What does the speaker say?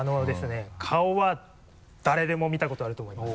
顔は誰でも見たことあると思います。